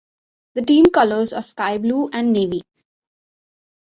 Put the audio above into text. The team colours are sky blue and navy.